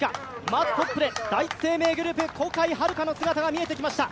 まずトップで第一生命グループ・小海遥の姿が見えてきました。